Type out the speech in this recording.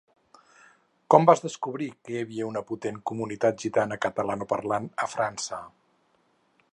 Com vas descobrir que hi havia una potent comunitat gitana catalanoparlant a França?